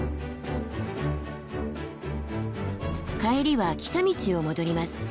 帰りは来た道を戻ります。